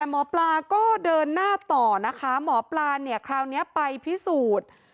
หมอปลาก็เดินหน้าต่อนะคะหมอปลาเนี่ยคราวนี้ไปพิสูจน์